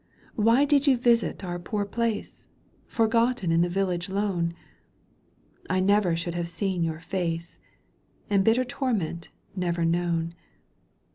Why did you visit our poor place ? Forgotten in the village lone, I never should have seen your face And bitter torment never known.